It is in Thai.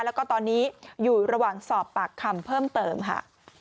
แล้วก็ตอนนี้อยู่ระหว่างสอบปากคำเพิ่มเติมค่ะ